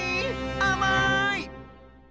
あまい！